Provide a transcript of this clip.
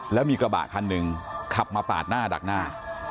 แล้วมีกระบะคันหนึ่งขับมาปาดหน้าดักหน้า